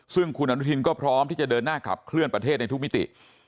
ซึ่งคุณอนุทินก็พร้อมที่จะเดินหน้าขับเคลื่อนประเทศในทุกมิติ